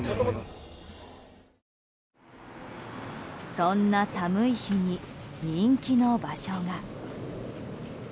そんな寒い日に人気の場所が。